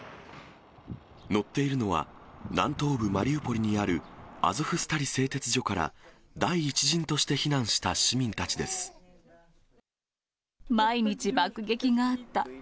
乗っているのは、南東部マリウポリにあるアゾフスタリ製鉄所から第１陣として避難毎日爆撃があった。